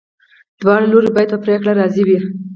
دواړه لوري باید په پریکړه راضي وي.